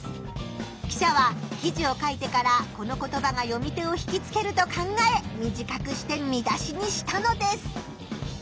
記者は記事を書いてからこの言葉が読み手を引きつけると考え短くして見出しにしたのです。